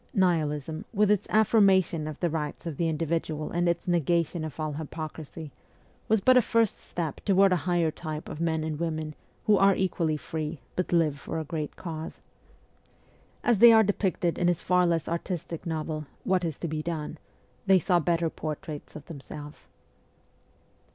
Nihilism, with its affirmation of the rights of the individual and its negation of all hypocrisy, was but a first step toward a higher type of men and women, who are equally free, but live for a great cause. In the Nihilists of ChernysheVsky, as they are depicted in his far less artistic novel, ' "What is to be Done ?' they saw better portraits of themselves.